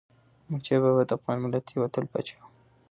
احمدشاه بابا د افغان ملت یو اتل پاچا و.